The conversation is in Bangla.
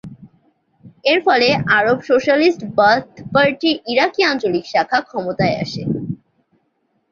এর ফলে আরব সোশ্যালিস্ট বাথ পার্টির ইরাকি আঞ্চলিক শাখা ক্ষমতায় আসে।